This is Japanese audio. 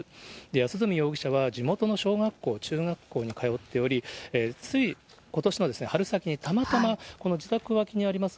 安栖容疑者は、地元の小学校、中学校に通っており、つい、ことしの春先に、たまたま、この自宅脇にあります